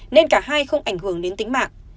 nên cả hai không ảnh hưởng đến tính mạng